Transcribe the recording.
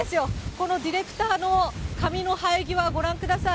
このディレクターの髪の生え際、ご覧ください。